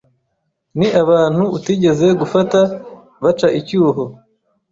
ni abantu utigeze gufata baca icyuho,